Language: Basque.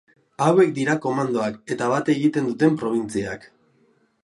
Hauek dira komandoak eta bat egiten duten probintziak.